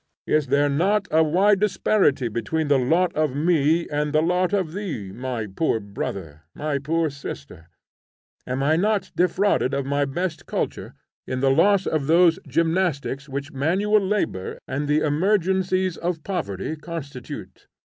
is there not a wide disparity between the lot of me and the lot of thee, my poor brother, my poor sister? Am I not defrauded of my best culture in the loss of those gymnastics which manual labor and the emergencies of poverty constitute?